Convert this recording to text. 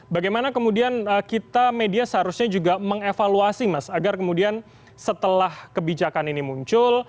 bagaimana kemudian kita media seharusnya juga mengevaluasi mas agar kemudian setelah kebijakan ini muncul